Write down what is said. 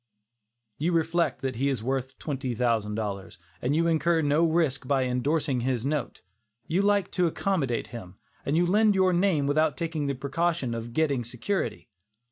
You reflect that he is worth twenty thousand dollars, and you incur no risk by indorsing his note; you like to accommodate him, and you lend your name without taking the precaution of getting security.